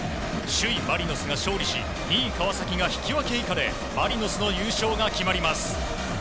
首位マリノスが勝利し２位、川崎が引き分け以下でマリノスの優勝が決まります。